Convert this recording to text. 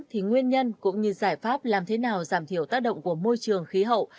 thì nguyên nhân cũng như giải pháp làm thế nào giảm thiểu tác động của môi trường khí hậu